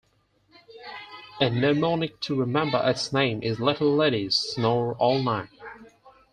A mnemonic to remember its name is, Little Ladies Snore All Night.